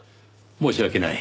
申し訳ない。